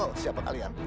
oh siapa kalian